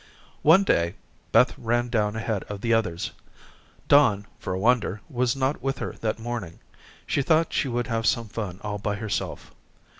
One day Beth ran down ahead of the others. Don, for a wonder, was not with her that morning. She thought she would have some fun all by herself.